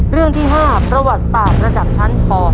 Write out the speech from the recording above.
เรื่องที่๕ประวัติศาสตร์ระดับชั้นป๖